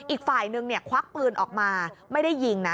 อีกฝ่ายนึงควักปืนออกมาไม่ได้ยิงนะ